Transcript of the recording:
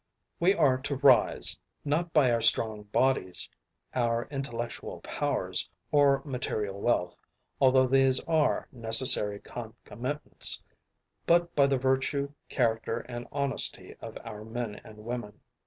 We are to rise, not by our strong bodies, our intellectual powers, or material wealth, although these are necessary concomitants, but by the virtue, character, and honesty of our men and women.